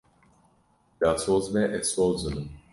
Bila soz be, ez soz didim.